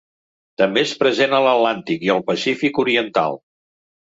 També és present a l'Atlàntic i el Pacífic oriental.